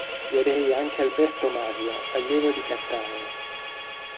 Vi aderì anche Alberto Mario, allievo di Cattaneo.